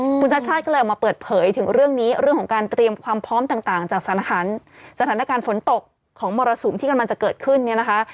คุณชาติชาติก็เลยออกมาเปิดเผยถึงเรื่องนี้เรื่องของการเตรียมความพร้อมต่างต่างจากสถานสถานการณ์ฝนตกของมรสุมที่กำลังจะเกิดขึ้นเนี่ยนะคะ